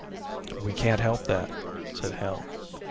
"We can't help that," said Hale.